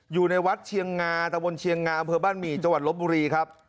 อยู่ในวัดเชียงงาตะวนเชียงงาอำเภอบ้านหมี่จังหวัดลบบุรีครับ